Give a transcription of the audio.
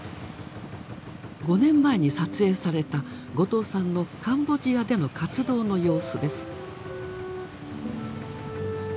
５年前に撮影された後藤さんのカンボジアでの活動の様子です。